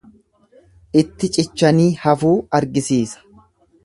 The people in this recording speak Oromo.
Itti cichanii hafuu argisiisa.